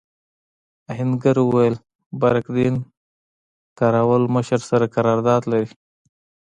آهنګر وویل بارک دین قراوول مشر سره قرارداد لري.